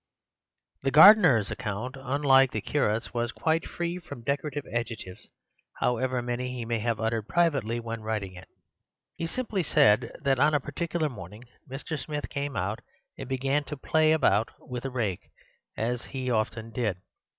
The gardener's account, unlike the curate's, was quite free from decorative adjectives, however many he may have uttered privately when writing it. He simply said that on a particular morning Mr. Smith came out and began to play about with a rake, as he often did.